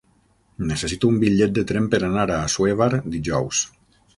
Necessito un bitllet de tren per anar a Assuévar dijous.